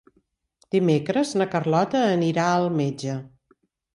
Dimecres na Carlota anirà al metge.